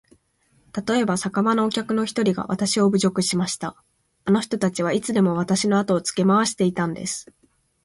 たとえば、酒場のお客の一人がわたしを侮辱しました。あの人たちはいつでもわたしのあとをつけ廻していたんです。